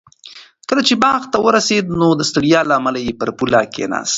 کله چې باغ ته ورسېد نو د ستړیا له امله پر پوله کېناست.